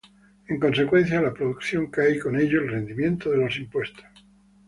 En consecuencia, la producción cae y con ello el rendimiento de los impuestos.